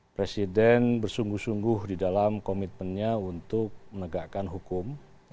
presiden bersungguh sungguh di dalam komitmennya untuk menegakkan hukum